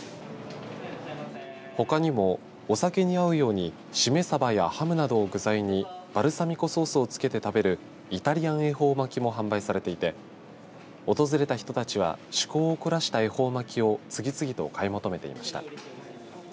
ほかにも、お酒に合うようにしめさばやハムなどを具材にバルサミコソースをつけて食べるイタリアン恵方巻きも販売されていて訪れた人たちは趣向を凝らした恵方巻きを次々と買い求めていました。